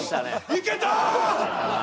いけた！